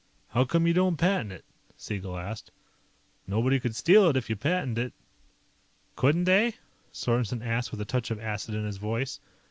"How come you don't patent it?" Siegel asked. "Nobody could steal it if you patented it." "Couldn't they?" Sorensen asked with a touch of acid in his voice.